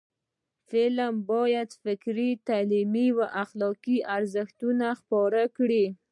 فلم باید فکري، تعلیمي او اخلاقی ارزښتونه خپاره کړي